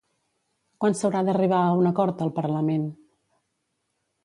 Quan s'haurà d'arribar a un acord al Parlament?